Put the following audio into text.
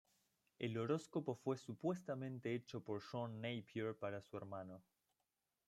El horóscopo fue supuestamente hecho por John Napier para su hermano.